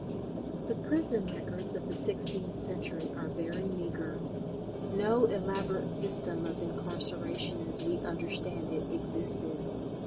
The prison records of the sixteenth century are very meagre. No elaborate system of incarceration as we understand it existed.